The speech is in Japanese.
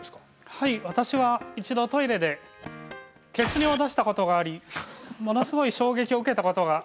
はい私は一度トイレで血尿を出したことがありものすごい衝撃を受けたことがあります。